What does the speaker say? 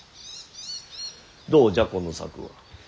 どうじゃこの策は。